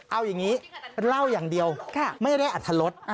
เอาอย่างนี้เล่าอย่างเดียวไม่ได้อัตรรส